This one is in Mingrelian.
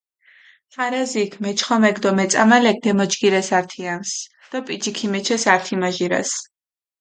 ხარაზიქ, მეჩხომექ დო მეწამალექ დემოჯგირეს ართიანსჷ დო პიჯი ქიმეჩეს ართი-მაჟირას.